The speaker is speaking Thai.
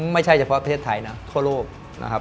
ไม่ใช่เฉพาะประเทศไทยนะทั่วโลกนะครับ